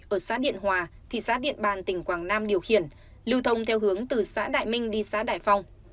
ở xã điện hòa thị xã điện bàn tỉnh quảng nam điều khiển lưu thông theo hướng từ xã đại minh đi xã đại phong